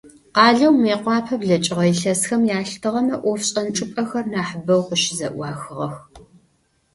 Къалэу Мыекъуапэ блэкӀыгъэ илъэсхэм ялъытыгъэмэ, ӀофшӀэн чӀыпӀэхэр нахьы бэу къыщызэӀуахыгъэх.